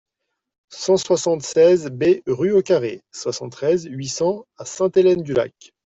cent soixante-seize B rue Au Carré, soixante-treize, huit cents à Sainte-Hélène-du-Lac